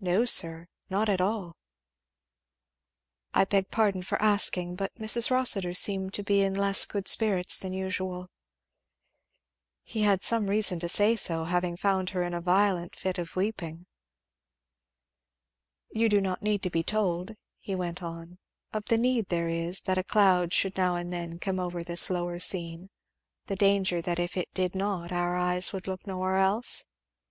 "No sir not at all!" "I beg pardon for asking, but Mrs. Rossitur seemed to be in less good spirits than usual." He had some reason to say so, having found her in a violent fit of weeping. "You do not need to be told," he went on, "of the need there is that a cloud should now and then come over this lower scene the danger that if it did not our eyes would look nowhere else?"